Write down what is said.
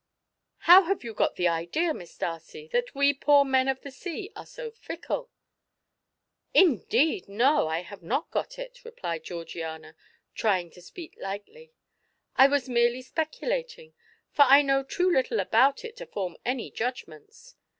How have you got the idea, Miss Darcy, that we poor men of the sea are so fickle?" "Indeed, no, I have not got it," replied Georgiana, trying to speak lightly. "I was merely speculating, for I know too little about it to form any judgments.